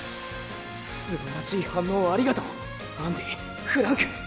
すばらしい反応をありがとうアンディフランク。